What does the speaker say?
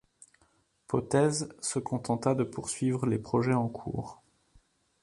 Potez se contenta de poursuivre les projets en cours.